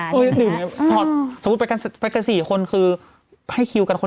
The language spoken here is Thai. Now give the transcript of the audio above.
ก็คือถอดได้เหมือนไรเหมือนการอาหาร